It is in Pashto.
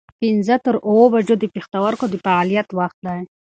پنځه تر اووه بجو د پښتورګو د فعالیت وخت دی.